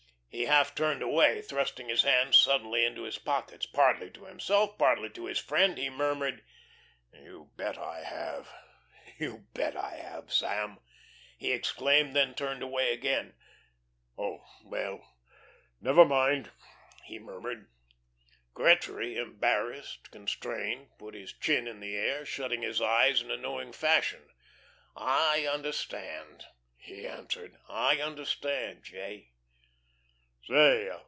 He half turned away, thrusting his hands suddenly into his pockets. Partly to himself, partly to his friend he murmured: "You bet I have, you bet I have. Sam," he exclaimed, then turned away again. "... Oh, well, never mind," he murmured. Gretry, embarrassed, constrained, put his chin in the air, shutting his eyes in a knowing fashion. "I understand," he answered. "I understand, J."